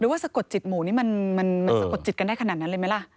ว่าสะกดจิตหมูนี่มันสะกดจิตกันได้ขนาดนั้นเลยไหมล่ะ